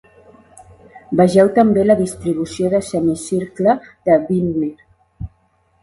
Vegeu també la distribució de semicircle de Wigner.